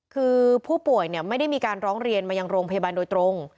คือผู้ป่วยไม่ได้มีการร้องเรียนมายังโรงพยาบาลโดยตรง